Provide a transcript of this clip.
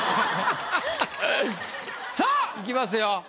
さあいきますよ。